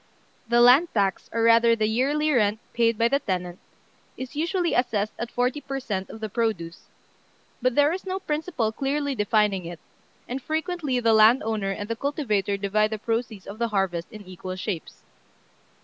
The land tax, or rather the yearly rent paid by the tenant, is usually assessed at forty per cent. of the produce; but there is no principle clearly defining it, and frequently the landowner and the cultivator divide the proceeds of the harvest in equal shapes.